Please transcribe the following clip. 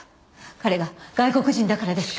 彼が外国人だからですか？